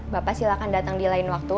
bapak silakan datang di lain waktu